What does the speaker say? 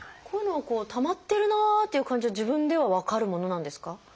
こういうのはこうたまってるなっていう感じは自分では分かるものなんですか？